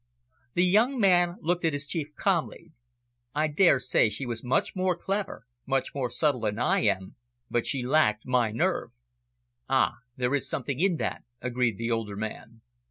The young man looked at his chief calmly. "I daresay she was much more clever, much more subtle than I am, but she lacked my nerve." "Ah, there is something in that," agreed the older man.